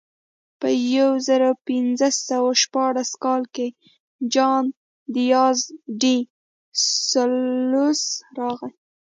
په یو زرو پینځه سوه شپاړس کال کې جان دیاز ډي سلوس راغی.